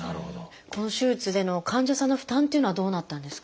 この手術での患者さんの負担っていうのはどうなったんですか？